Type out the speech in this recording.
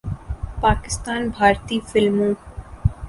پاکستان، بھارتی فلموں